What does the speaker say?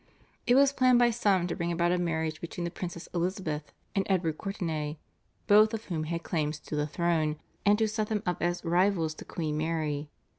It was planned by some to bring about a marriage between the Princess Elizabeth and Edward Courtenay, both of whom had claims to the throne, and to set them up as rivals to Queen Mary.